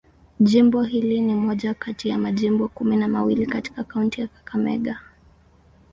Jimbo hili ni moja kati ya majimbo kumi na mawili katika kaunti ya Kakamega.